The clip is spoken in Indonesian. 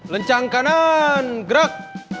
lencang kanan gerak